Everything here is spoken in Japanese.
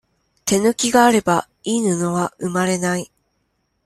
手抜きがあれば、いい布は、生まれない。